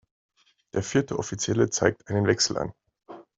Der vierte Offizielle zeigt einen Wechsel an.